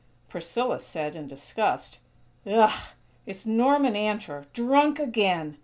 Priscilla said, in disgust: "Ugh!! It's Norman Antor! Drunk again!!"